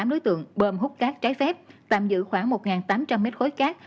tám đối tượng bơm hút cát trái phép tạm giữ khoảng một tám trăm linh mét khối cát